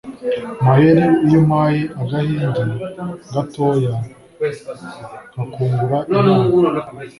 Maheru iyo umpayeAgahenge gatoyaNkakungura inama!